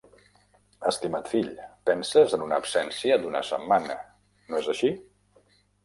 Estimat fill, penses en una absència d'una setmana, no és així?